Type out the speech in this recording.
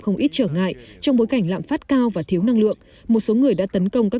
không ít trở ngại trong bối cảnh lạm phát cao và thiếu năng lượng một số người đã tấn công các